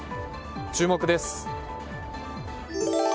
注目です。